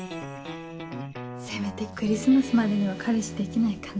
せめてクリスマスまでには彼氏できないかな。